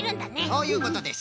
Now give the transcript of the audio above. そういうことです！